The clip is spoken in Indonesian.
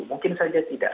mungkin saja tidak